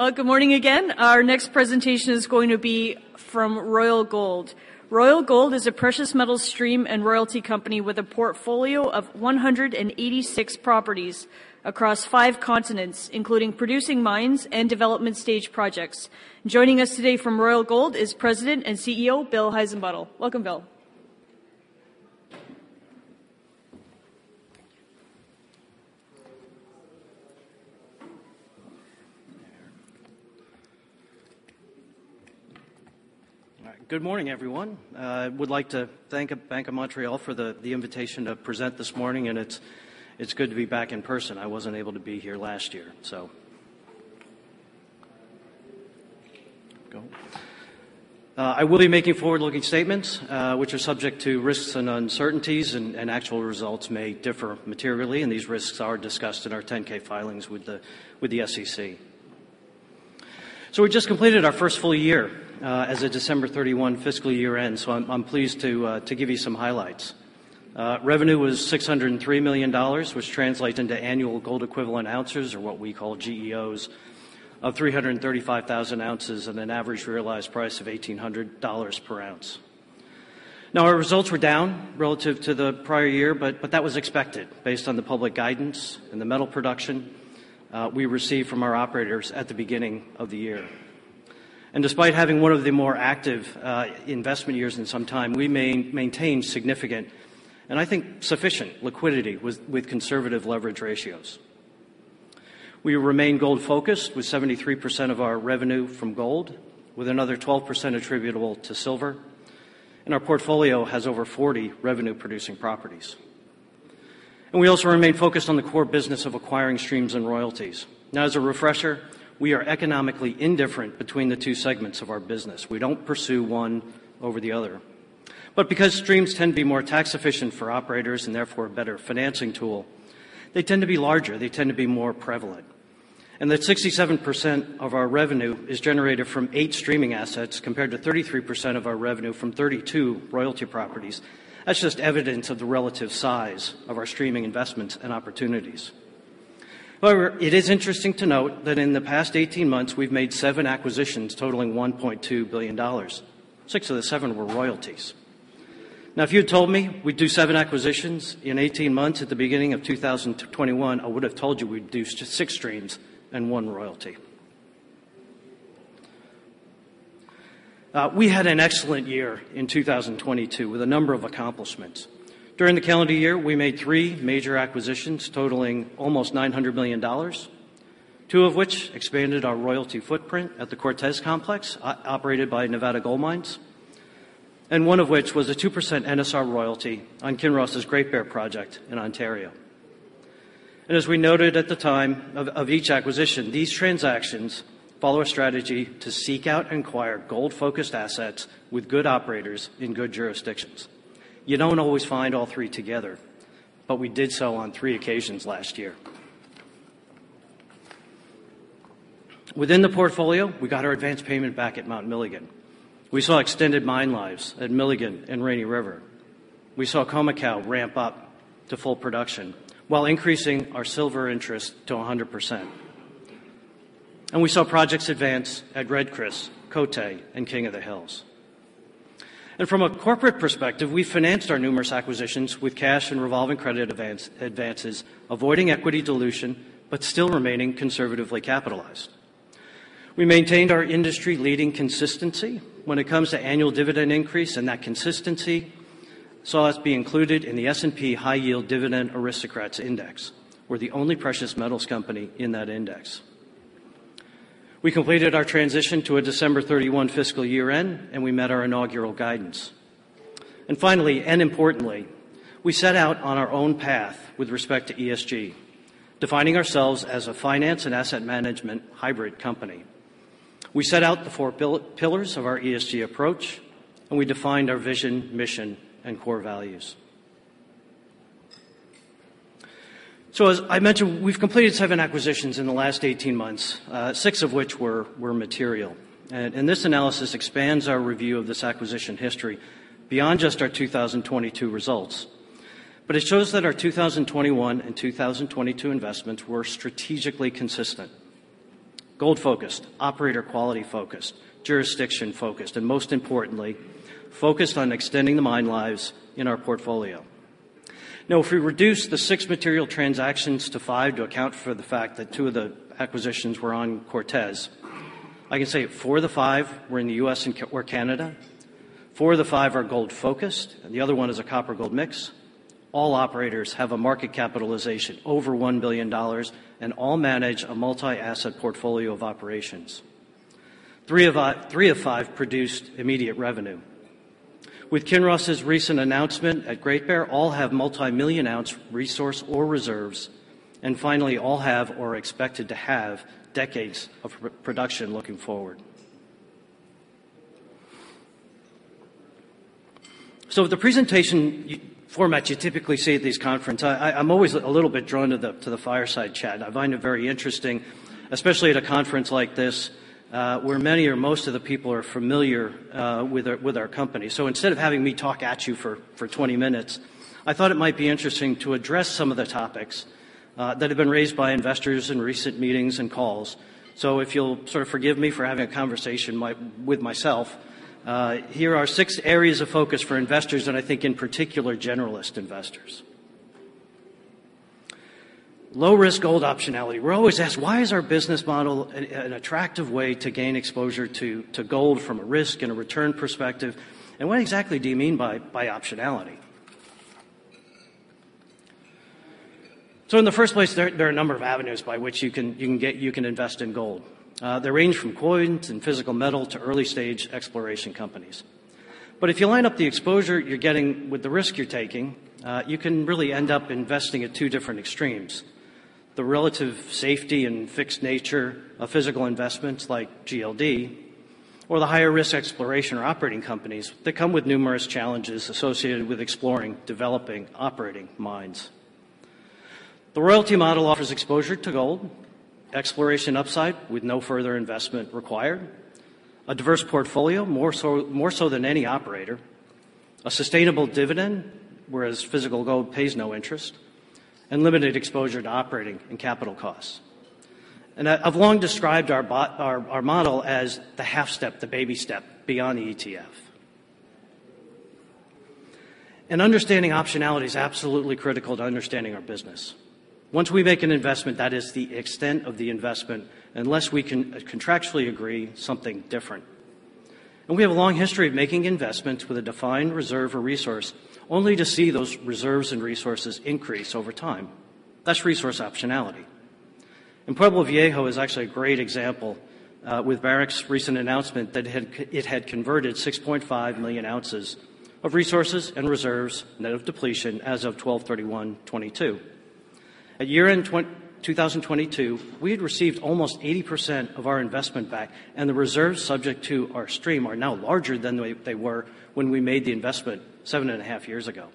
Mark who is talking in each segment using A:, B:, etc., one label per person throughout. A: Well, good morning again. Our next presentation is going to be from Royal Gold. Royal Gold is a precious metal stream and royalty company with a portfolio of 186 properties across five continents, including producing mines and development stage projects. Joining us today from Royal Gold is President and CEO, Bill Heissenbuttel. Welcome, Bill.
B: Good morning, everyone. I would like to thank Bank of Montreal for the invitation to present this morning, and it's good to be back in person. I wasn't able to be here last year. I will be making forward-looking statements, which are subject to risks and uncertainties, and actual results may differ materially, and these risks are discussed in our 10-K filings with the SEC. We just completed our first full year, as a December 31 fiscal year end, I'm pleased to give you some highlights. Revenue was $603 million, which translates into annual Gold Equivalent Ounces, or what we call GEOs, of 335,000 ounces and an average realized price of $1,800 per ounce. Our results were down relative to the prior year, but that was expected based on the public guidance and the metal production we received from our operators at the beginning of the year. Despite having one of the more active investment years in some time, we maintain significant, and I think sufficient liquidity with conservative leverage ratios. We remain gold-focused with 73% of our revenue from gold, with another 12% attributable to silver, and our portfolio has over 40 revenue-producing properties. We also remain focused on the core business of acquiring streams and royalties. As a refresher, we are economically indifferent between the two segments of our business. We don't pursue one over the other. Because streams tend to be more tax efficient for operators and therefore a better financing tool, they tend to be larger, they tend to be more prevalent. That 67% of our revenue is generated from eight streaming assets compared to 33% of our revenue from 32 royalty properties. That's just evidence of the relative size of our streaming investments and opportunities. It is interesting to note that in the past 18 months, we've made seven acquisitions totaling $1.2 billion. Six of the seven were royalties. If you had told me we'd do seven acquisitions in 18 months at the beginning of 2021, I would have told you we'd do six streams and one royalty. We had an excellent year in 2022 with a number of accomplishments. During the calendar year, we made three major acquisitions totaling almost $900 million, two of which expanded our royalty footprint at the Cortez complex operated by Nevada Gold Mines. One of which was a 2% NSR royalty on Kinross' Great Bear project in Ontario. As we noted at the time of each acquisition, these transactions follow a strategy to seek out and acquire gold-focused assets with good operators in good jurisdictions. You don't always find all three together, but we did so on three occasions last year. Within the portfolio, we got our advanced payment back at Mount Milligan. We saw extended mine lives at Milligan and Rainy River. We saw Khoemacau ramp up to full production while increasing our silver interest to 100%. We saw projects advance at Red Chris, Côté, and King of the Hills. From a corporate perspective, we financed our numerous acquisitions with cash and revolving credit advances, avoiding equity dilution, but still remaining conservatively capitalized. We maintained our industry-leading consistency when it comes to annual dividend increase. That consistency saw us be included in the S&P High Yield Dividend Aristocrats Index. We're the only precious metals company in that index. We completed our transition to a December 31 fiscal year-end. We met our inaugural guidance. Finally, and importantly, we set out on our own path with respect to ESG, defining ourselves as a finance and asset management hybrid company. We set out the four pillars of our ESG approach. We defined our vision, mission, and core values. As I mentioned, we've completed seven acquisitions in the last 18 months, six of which were material. This analysis expands our review of this acquisition history beyond just our 2022 results. It shows that our 2021 and 2022 investments were strategically consistent, gold-focused, operator quality-focused, jurisdiction-focused, and most importantly, focused on extending the mine lives in our portfolio. If we reduce the six material transactions to five to account for the fact that two of the acquisitions were on Cortez, I can say four of the five were in the U.S. or Canada, four of the five are gold-focused, and the other one is a copper-gold mix. All operators have a market capitalization over $1 billion, and all manage a multi-asset portfolio of operations. three of five produced immediate revenue. With Kinross' recent announcement at Great Bear, all have multi-million-ounce resource or reserves, and finally, all have or are expected to have decades of production looking forward. The presentation format you typically see at these conference, I'm always a little bit drawn to the fireside chat. I find it very interesting, especially at a conference like this, where many or most of the people are familiar with our company. Instead of having me talk at you for 20 minutes, I thought it might be interesting to address some of the topics that have been raised by investors in recent meetings and calls. If you'll sort of forgive me for having a conversation with myself, here are six areas of focus for investors, and I think in particular generalist investors. Low-risk gold optionality. We're always asked, why is our business model an attractive way to gain exposure to gold from a risk and a return perspective, and what exactly do you mean by optionality? In the first place, there are a number of avenues by which you can invest in gold. They range from coins and physical metal to early-stage exploration companies. If you line up the exposure you're getting with the risk you're taking, you can really end up investing at two different extremes, the relative safety and fixed nature of physical investments like GLD or the higher-risk exploration or operating companies that come with numerous challenges associated with exploring, developing, operating mines. The royalty model offers exposure to gold, exploration upside with no further investment required, a diverse portfolio more so than any operator, a sustainable dividend, whereas physical gold pays no interest, and limited exposure to operating and capital costs. I've long described our model as the half step, the baby step beyond ETF. Understanding optionality is absolutely critical to understanding our business. Once we make an investment, that is the extent of the investment unless we can contractually agree something different. We have a long history of making investments with a defined reserve or resource, only to see those reserves and resources increase over time. That's resource optionality. Pueblo Viejo is actually a great example, with Barrick's recent announcement that it had converted 6.5 million ounces of resources and reserves net of depletion as of 12/31/2022. At year-end 2022, we had received almost 80% of our investment back, and the reserves subject to our stream are now larger than they were when we made the investment 7.5 years ago.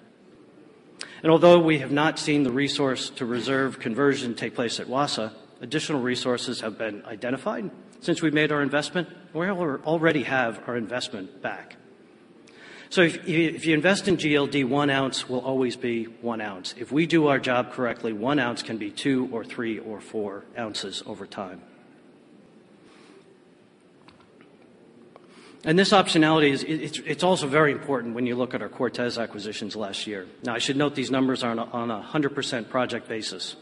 B: Although we have not seen the resource-to-reserve conversion take place at Wassa, additional resources have been identified since we made our investment. We already have our investment back. If you invest in GLD, one ounce will always be one ounce. If we do our job correctly, one ounce can be two or three or four ounces over time. This optionality is. It's also very important when you look at our Cortez acquisitions last year. Now, I should note these numbers are on a 100% project basis.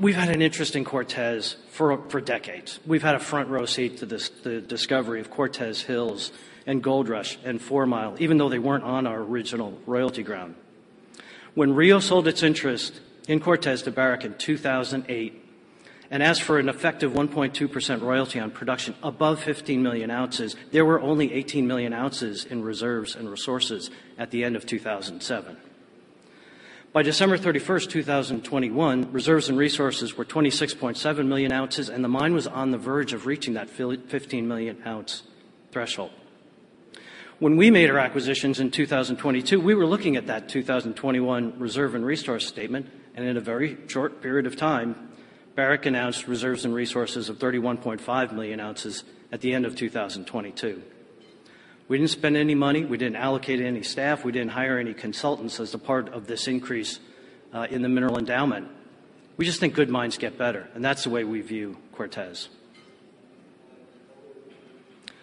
B: We've had an interest in Cortez for decades. We've had a front row seat to this, the discovery of Cortez Hills and Goldrush and Fourmile, even though they weren't on our original royalty ground. When Rio sold its interest in Cortez to Barrick in 2008 and asked for an effective 1.2% royalty on production above 15 million ounces, there were only 18 million ounces in reserves and resources at the end of 2007. By December 31, 2021, reserves and resources were 26.7 million ounces, and the mine was on the verge of reaching that 15-million-ounce threshold. When we made our acquisitions in 2022, we were looking at that 2021 reserve and resource statement. In a very short period of time, Barrick announced reserves and resources of 31.5 million ounces at the end of 2022. We didn't spend any money, we didn't allocate any staff, we didn't hire any consultants as a part of this increase in the mineral endowment. We just think good mines get better. That's the way we view Cortez.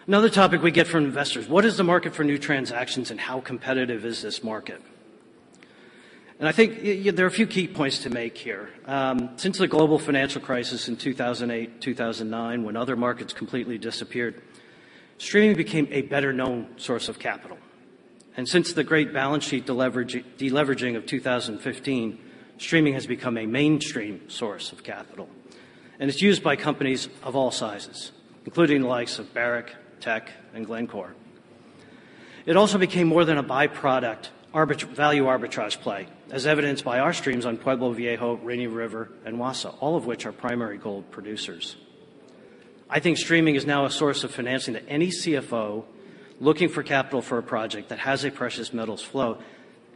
B: Another topic we get from investors: What is the market for new transactions, and how competitive is this market? I think there are a few key points to make here. Since the global financial crisis in 2008, 2009, when other markets completely disappeared, streaming became a better-known source of capital. Since the great balance sheet deleveraging of 2015, streaming has become a mainstream source of capital, and it's used by companies of all sizes, including the likes of Barrick, Teck, and Glencore. It also became more than a byproduct value arbitrage play, as evidenced by our streams on Pueblo Viejo, Rainy River, and Wassa, all of which are primary gold producers. I think streaming is now a source of financing that any CFO looking for capital for a project that has a precious metals flow,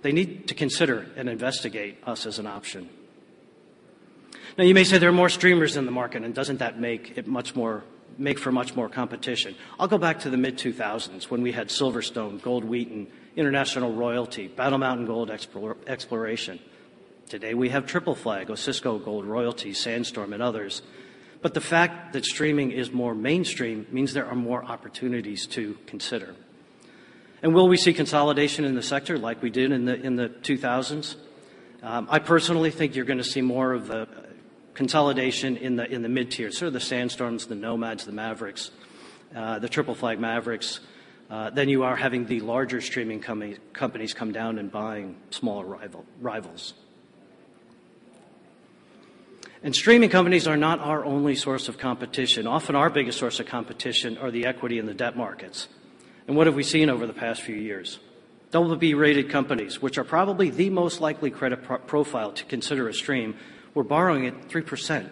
B: they need to consider and investigate us as an option. You may say there are more streamers in the market, and doesn't that make for much more competition? I'll go back to the mid-2000s when we had Silverstone, Gold Wheaton, International Royalty, Battle Mountain Gold Exploration. Today, we have Triple Flag, Osisko Gold Royalties, Sandstorm, and others. The fact that streaming is more mainstream means there are more opportunities to consider. Will we see consolidation in the sector like we did in the 2000s? I personally think you're gonna see more of the consolidation in the mid-tier, sort of the Sandstorms, the Nomads, the Maverix, the Triple Flag Maverix, than you are having the larger streaming companies come down and buying smaller rivals. Streaming companies are not our only source of competition. Often, our biggest source of competition are the equity and the debt markets. What have we seen over the past few years? BB-rated companies, which are probably the most likely credit profile to consider a stream, were borrowing at 3%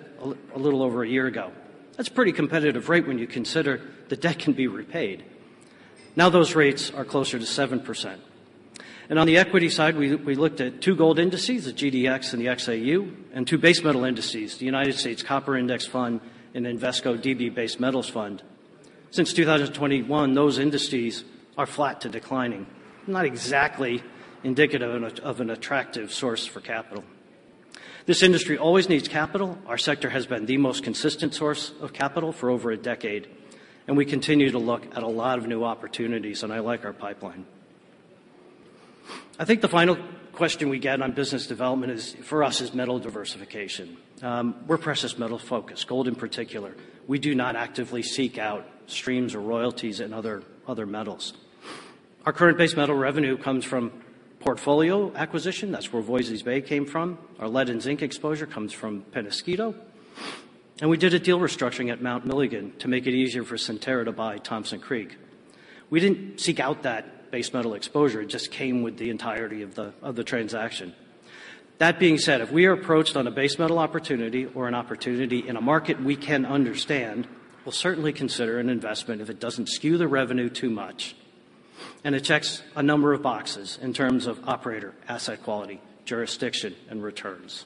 B: a little over a year ago. That's a pretty competitive rate when you consider the debt can be repaid. Now those rates are closer to 7%. On the equity side, we looked at two gold indices, the GDX and the XAU, and two base metal indices, the United States Copper Index Fund and Invesco DB Base Metals Fund. Since 2021, those indices are flat to declining, not exactly indicative of an attractive source for capital. This industry always needs capital. Our sector has been the most consistent source of capital for over a decade, and we continue to look at a lot of new opportunities, I like our pipeline. I think the final question we get on business development is, for us, is metal diversification. We're precious metal-focused, gold in particular. We do not actively seek out streams or royalties in other metals. Our current base metal revenue comes from portfolio acquisition. That's where Voisey's Bay came from. Our lead and zinc exposure comes from Peñasquito. We did a deal restructuring at Mount Milligan to make it easier for Centerra to buy Thompson Creek. We didn't seek out that base metal exposure. It just came with the entirety of the transaction. That being said, if we are approached on a base metal opportunity or an opportunity in a market we can understand, we'll certainly consider an investment if it doesn't skew the revenue too much, and it checks a number of boxes in terms of operator, asset quality, jurisdiction, and returns.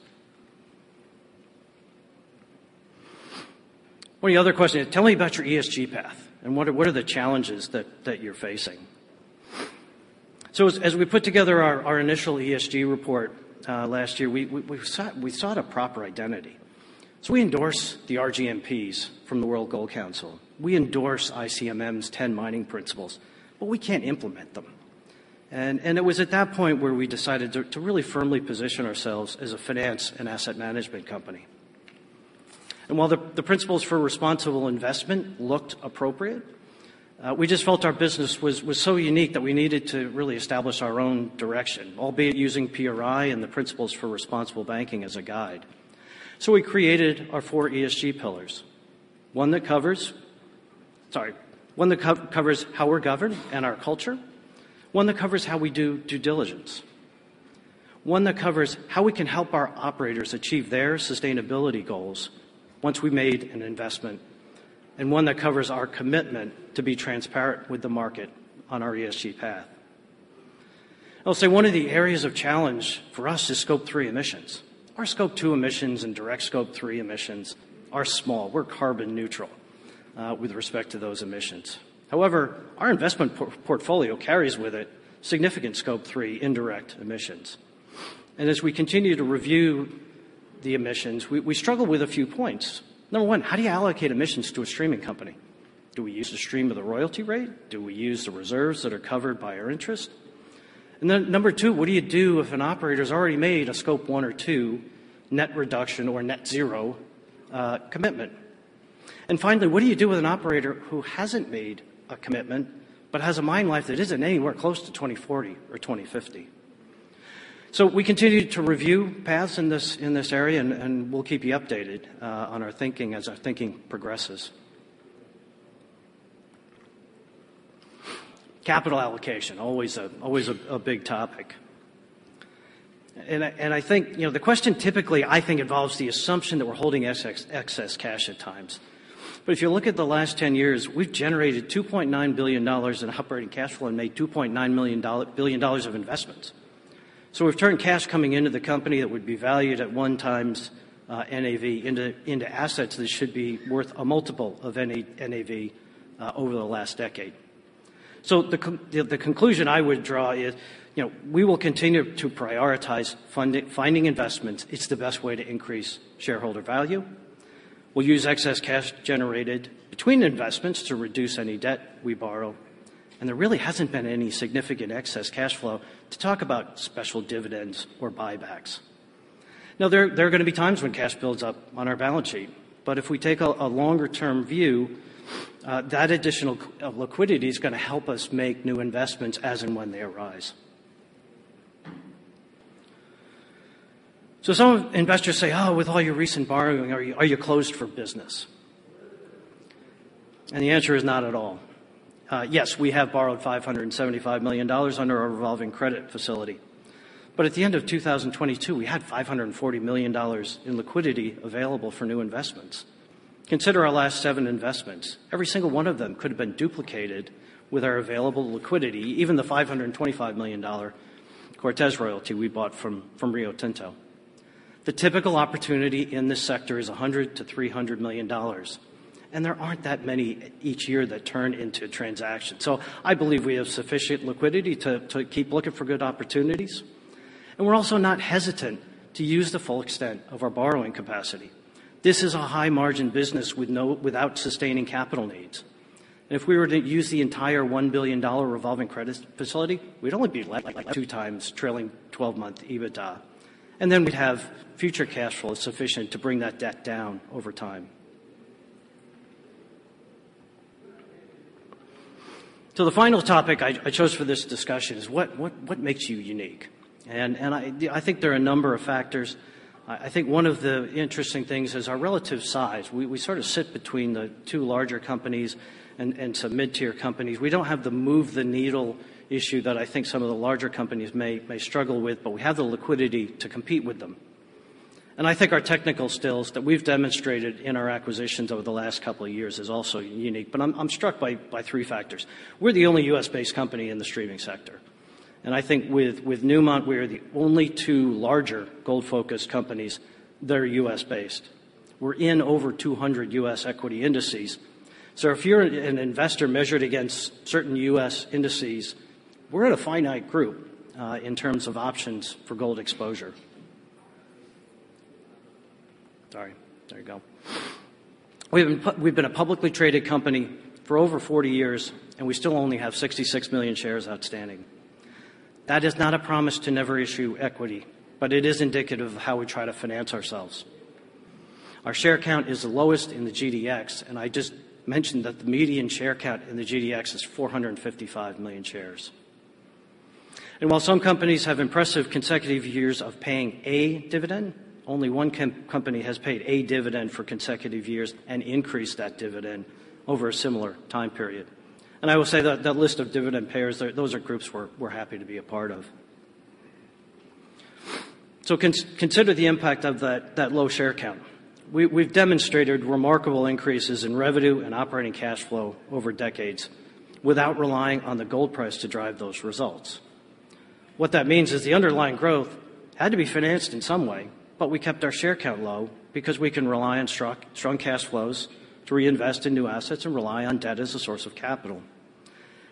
B: One of the other questions, tell me about your ESG path and what are the challenges that you're facing? As we put together our initial ESG report last year, we sought a proper identity. We endorse the RGMPs from the World Gold Council. We endorse ICMM's 10 mining principles, but we can't implement them. It was at that point where we decided to really firmly position ourselves as a finance and asset management company. While the principles for responsible investment looked appropriate, we just felt our business was so unique that we needed to really establish our own direction, albeit using PRI and the Principles for Responsible Banking as a guide. We created our four ESG pillars, one that covers. Sorry. One that covers how we're governed and our culture, one that covers how we do due diligence, one that covers how we can help our operators achieve their sustainability goals once we've made an investment, and one that covers our commitment to be transparent with the market on our ESG path. I'll say one of the areas of challenge for us is Scope 3 emissions. Our Scope 2 emissions and direct Scope 3 emissions are small. We're carbon neutral with respect to those emissions. However, our investment portfolio carries with it significant Scope 3 indirect emissions. As we continue to review the emissions, we struggle with a few points. Number One, how do you allocate emissions to a streaming company? Do we use the stream of the royalty rate? Do we use the reserves that are covered by our interest? Number two, what do you do if an operator's already made a Scope 1 or 2 net reduction or net zero commitment? Finally, what do you do with an operator who hasn't made a commitment but has a mine life that isn't anywhere close to 2040 or 2050? We continue to review paths in this, in this area, and we'll keep you updated on our thinking as our thinking progresses. Capital allocation, always a big topic. I think, you know, the question typically, I think, involves the assumption that we're holding excess cash at times. If you look at the last 10 years, we've generated $2.9 billion in operating cash flow and made $2.9 billion of investments. We've turned cash coming into the company that would be valued at 1x NAV into assets that should be worth a multiple of NAV over the last decade. The conclusion I would draw is, you know, we will continue to prioritize finding investments. It's the best way to increase shareholder value. We'll use excess cash generated between investments to reduce any debt we borrow, and there really hasn't been any significant excess cash flow to talk about special dividends or buybacks. There are gonna be times when cash builds up on our balance sheet, but if we take a longer-term view, that additional of liquidity is gonna help us make new investments as and when they arise. Some investors say, "Oh, with all your recent borrowing, are you closed for business?" The answer is not at all. Yes, we have borrowed $575 million under our revolving credit facility. At the end of 2022, we had $540 million in liquidity available for new investments. Consider our last seven investments. Every single one of them could have been duplicated with our available liquidity, even the $525 million Cortez royalty we bought from Rio Tinto. The typical opportunity in this sector is $100 million-$300 million, and there aren't that many each year that turn into transactions. I believe we have sufficient liquidity to keep looking for good opportunities, and we're also not hesitant to use the full extent of our borrowing capacity. This is a high-margin business without sustaining capital needs. If we were to use the entire $1 billion revolving credit facility, we'd only be like 2x trailing 12-month EBITDA, and then we'd have future cash flows sufficient to bring that debt down over time. The final topic I chose for this discussion is what makes you unique? I think there are a number of factors. I think one of the interesting things is our relative size. We sort of sit between the two larger companies and some mid-tier companies. We don't have the move the needle issue that I think some of the larger companies may struggle with. We have the liquidity to compete with them. I think our technical skills that we've demonstrated in our acquisitions over the last couple of years is also unique. I'm struck by three factors. We're the only U.S.-based company in the streaming sector. I think with Newmont, we are the only two larger gold-focused companies that are U.S.-based. We're in over 200 U.S. equity indices. If you're an investor measured against certain U.S. indices, we're in a finite group in terms of options for gold exposure. Sorry, there you go. We've been a publicly traded company for over 40 years. We still only have 66 million shares outstanding. That is not a promise to never issue equity, but it is indicative of how we try to finance ourselves. Our share count is the lowest in the GDX. I just mentioned that the median share count in the GDX is 455 million shares. While some companies have impressive consecutive years of paying a dividend, only one company has paid a dividend for consecutive years and increased that dividend over a similar time period. I will say that that list of dividend payers, those are groups we're happy to be a part of. Consider the impact of that low share count. We've demonstrated remarkable increases in revenue and operating cash flow over decades without relying on the gold price to drive those results. What that means is the underlying growth had to be financed in some way, we kept our share count low because we can rely on strong cash flows to reinvest in new assets and rely on debt as a source of capital.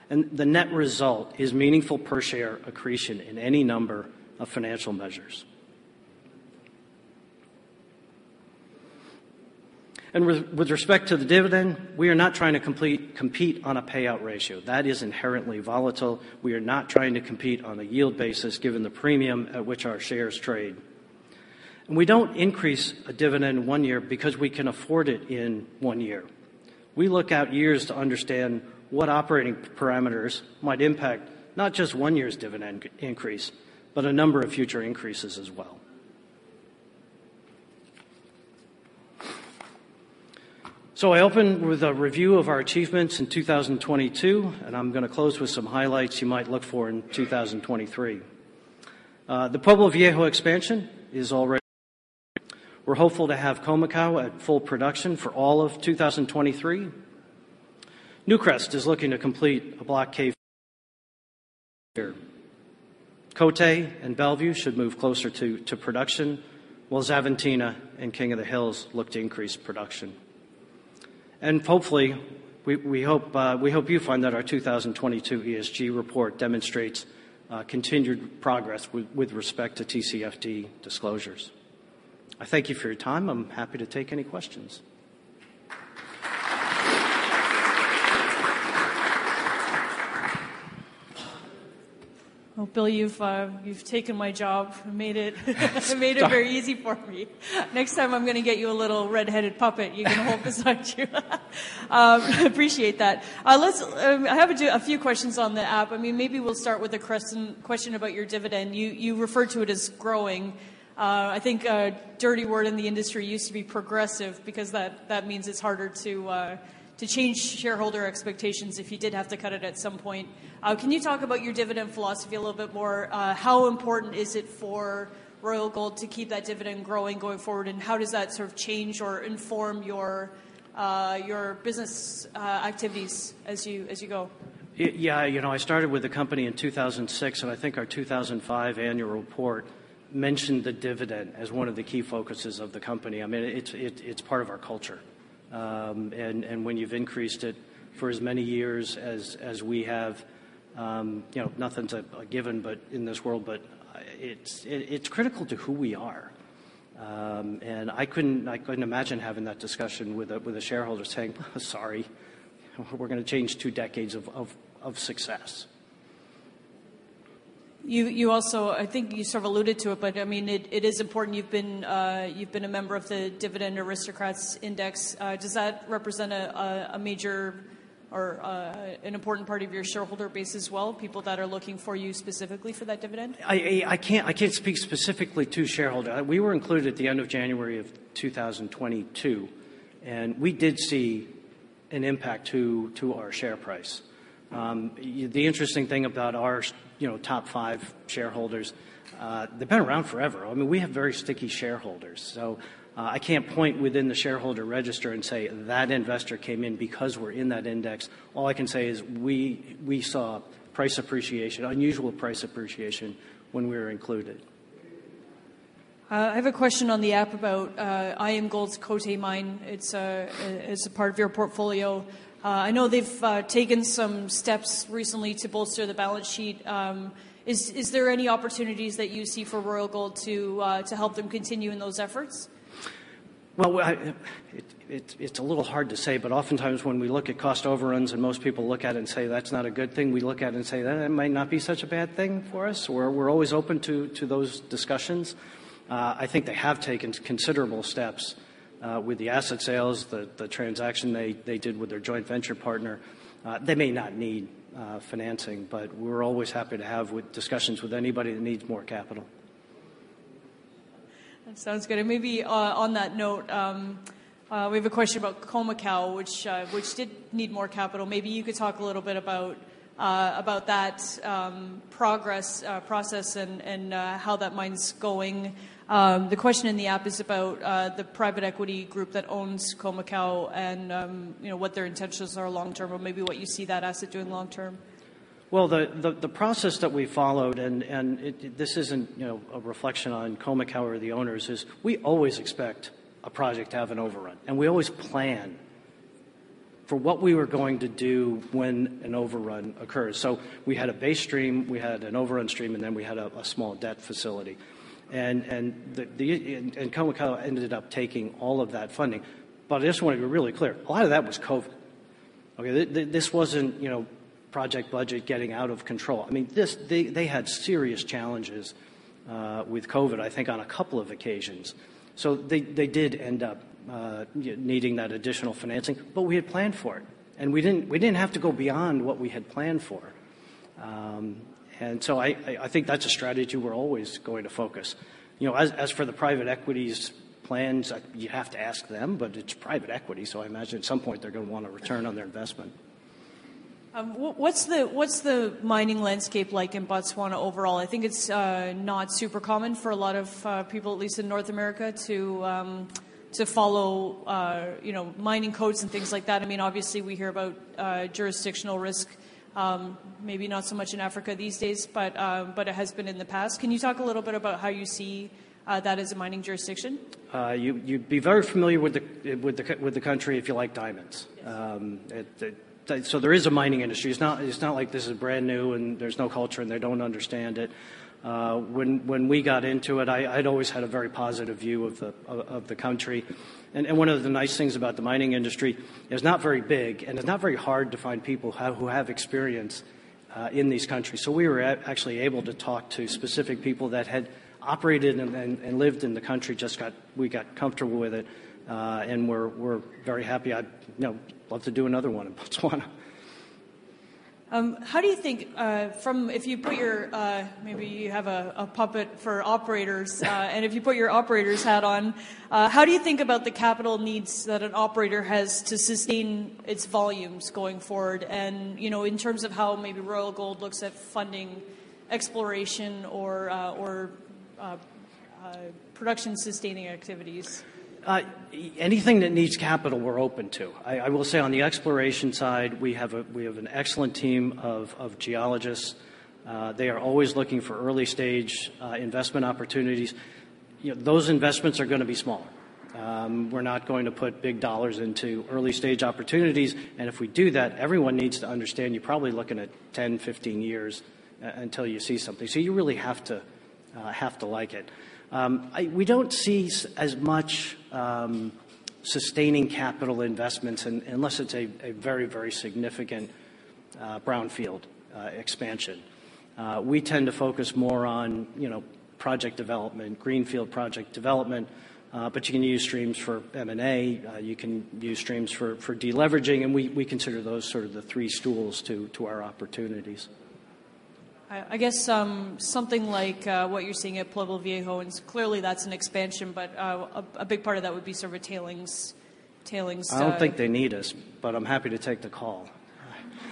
B: The net result is meaningful per share accretion in any number of financial measures. With respect to the dividend, we are not trying to compete on a payout ratio. That is inherently volatile. We are not trying to compete on a yield basis given the premium at which our shares trade. We don't increase a dividend one year because we can afford it in one year. We look out years to understand what operating parameters might impact not just one year's dividend increase, but a number of future increases as well. I opened with a review of our achievements in 2022, and I'm gonna close with some highlights you might look for in 2023. The Pueblo Viejo expansion is already. We're hopeful to have Khoemacau at full production for all of 2023. Newcrest is looking to complete a block cave [project]. Côté and Bellevue should move closer to production, while Aventina and King of the Hills look to increase production. Hopefully, we hope you find that our 2022 ESG report demonstrates continued progress with respect to TCFD disclosures. I thank you for your time. I'm happy to take any questions.
A: Well, Bill, you've taken my job and made it...
B: Stop.
A: Made it very easy for me. Next time, I'm gonna get you a little red-headed puppet you can hold beside you. Appreciate that. I have a few questions on the app. I mean, maybe we'll start with a question about your dividend. You referred to it as growing. I think a dirty word in the industry used to be progressive because that means it's harder to change shareholder expectations if you did have to cut it at some point. Can you talk about your dividend philosophy a little bit more? How important is it for Royal Gold to keep that dividend growing going forward, and how does that sort of change or inform your business activities as you go?
B: Yeah, you know, I started with the company in 2006. I think our 2005 annual report mentioned the dividend as one of the key focuses of the company. I mean, it's part of our culture. When you've increased it for as many years as we have, you know, nothing's a given in this world, but it's critical to who we are. I couldn't imagine having that discussion with a shareholder saying, "Sorry, we're gonna change two decades of success.
A: You also. I think you sort of alluded to it, but, I mean, it is important. You've been a member of the Dividend Aristocrats Index. Does that represent a major or an important part of your shareholder base as well, people that are looking for you specifically for that dividend?
B: I can't speak specifically to shareholder. We were included at the end of January of 2022, we did see an impact to our share price. The interesting thing about our you know, top five shareholders, they've been around forever. I mean, we have very sticky shareholders. I can't point within the shareholder register and say, "That investor came in because we're in that index." All I can say is we saw price appreciation, unusual price appreciation when we were included.
A: I have a question on the app about IAMGOLD's Côté mine. It's a part of your portfolio. I know they've taken some steps recently to bolster the balance sheet. Is there any opportunities that you see for Royal Gold to help them continue in those efforts?
B: Well, it's a little hard to say, but oftentimes when we look at cost overruns, and most people look at it and say, "That's not a good thing," we look at it and say, "That might not be such a bad thing for us." We're always open to those discussions. I think they have taken considerable steps with the asset sales, the transaction they did with their joint venture partner. They may not need financing, but we're always happy to have discussions with anybody that needs more capital.
A: That sounds good. Maybe, on that note, we have a question about Khoemacau, which did need more capital. Maybe you could talk a little bit about that, progress, process and how that mine's going. The question in the app is about the private equity group that owns Khoemacau and, you know, what their intentions are long term, or maybe what you see that asset doing long term.
B: Well, the process that we followed, and this isn't, you know, a reflection on Khoemacau or the owners, is we always expect a project to have an overrun, and we always plan for what we were going to do when an overrun occurs. We had a base stream, we had an overrun stream, and then we had a small debt facility. Khoemacau ended up taking all of that funding. I just want to be really clear, a lot of that was COVID, okay? This wasn't, you know, project budget getting out of control. I mean, this. They had serious challenges with COVID, I think on a couple of occasions. They did end up needing that additional financing, but we had planned for it, and we didn't have to go beyond what we had planned for. I think that's a strategy we're always going to focus. You know, as for the private equity's plans, you have to ask them, but it's private equity, so I imagine at some point they're gonna want a return on their investment.
A: What, what's the, what's the mining landscape like in Botswana overall? I think it's not super common for a lot of people, at least in North America, to follow, you know, mining codes and things like that. I mean, obviously we hear about jurisdictional risk, maybe not so much in Africa these days, but it has been in the past. Can you talk a little bit about how you see that as a mining jurisdiction?
B: You'd be very familiar with the country if you like diamonds.
A: Yes.
B: There is a mining industry. It's not, it's not like this is brand new, and there's no culture, and they don't understand it. When we got into it, I'd always had a very positive view of the country. One of the nice things about the mining industry, it's not very big, and it's not very hard to find people who have experience in these countries. We were actually able to talk to specific people that had operated and lived in the country. We got comfortable with it, and we're very happy. I'd, you know, love to do another one in Botswana.
A: How do you think, If you put your, maybe you have a puppet for operators, and if you put your operator's hat on, how do you think about the capital needs that an operator has to sustain its volumes going forward? You know, in terms of how maybe Royal Gold looks at funding exploration or production-sustaining activities.
B: Anything that needs capital, we're open to. I will say on the exploration side, we have an excellent team of geologists. They are always looking for early-stage investment opportunities. You know, those investments are gonna be smaller. We're not going to put big dollars into early-stage opportunities, and if we do that, everyone needs to understand you're probably looking at 10, 15 years until you see something. You really have to like it. We don't see as much sustaining capital investments unless it's a very, very significant brownfield expansion. We tend to focus more on, you know, project development, greenfield project development, but you can use streams for M&A. You can use streams for de-leveraging, and we consider those sort of the three stools to our opportunities.
A: I guess, something like, what you're seeing at Pueblo Viejo, and clearly that's an expansion, but, a big part of that would be sort of a tailings.
B: I don't think they need us, but I'm happy to take the call.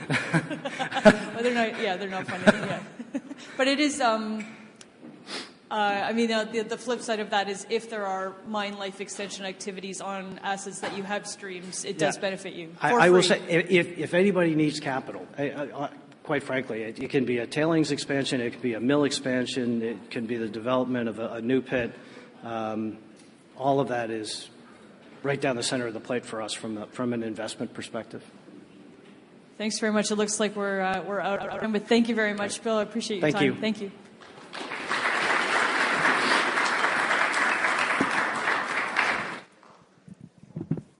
A: They're not. Yeah, they're not funding it yet. It is. I mean, the flip side of that is if there are mine life extension activities on assets that you have streams.
B: Yeah.
A: It does benefit you, for free.
B: I will say if anybody needs capital, I..Quite frankly, it can be a tailings expansion, it can be a mill expansion, it can be the development of a new pit. All of that is right down the center of the plate for us from an investment perspective.
A: Thanks very much. It looks like we're out of time. Thank you very much, Bill. I appreciate your time.
B: Thank you.
A: Thank you.